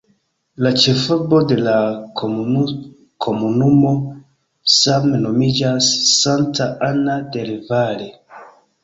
La ĉefurbo de la komunumo same nomiĝas "Santa Ana del Valle".